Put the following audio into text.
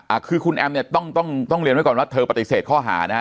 อ่าคือคุณแอมเนี่ยต้องต้องเรียนไว้ก่อนว่าเธอปฏิเสธข้อหานะฮะ